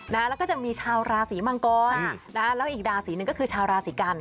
แล้วก็จะมีชาวราศีมังกรแล้วอีกราศีหนึ่งก็คือชาวราศีกัน